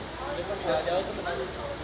pak bunga sdi media